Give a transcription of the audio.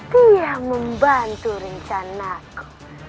dia membantu rencanaku